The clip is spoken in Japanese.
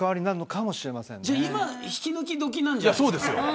それじゃ、今が引き抜き時なんじゃないですか。